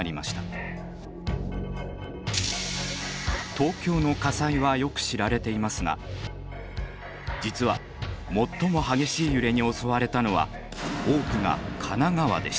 東京の火災はよく知られていますが実は最も激しい揺れに襲われたのは多くが神奈川でした。